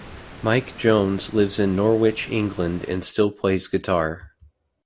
Mike Jones lives in Norwich, England and still plays guitar.